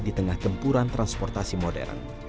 di tengah gempuran transportasi modern